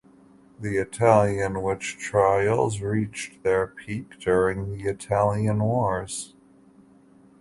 The Italian witch trials reached their peak during the Italian Wars.